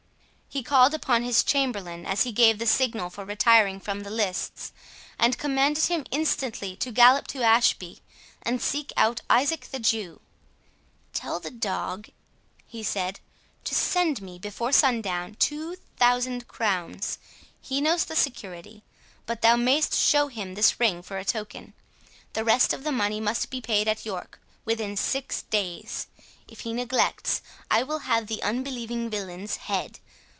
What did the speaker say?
He called upon his chamberlain as he gave the signal for retiring from the lists, and commanded him instantly to gallop to Ashby, and seek out Isaac the Jew. "Tell the dog," he said, "to send me, before sun down, two thousand crowns. He knows the security; but thou mayst show him this ring for a token. The rest of the money must be paid at York within six days. If he neglects, I will have the unbelieving villain's head.